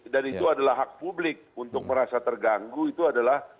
dan itu adalah hak publik untuk merasa terganggu itu adalah